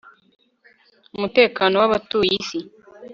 umutekano w abatuye isi